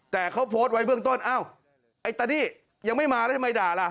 แต่เขาโพสต์ไว้เบื้องต้นอ้าวไอ้ตาดี้ยังไม่มาแล้วทำไมด่าล่ะ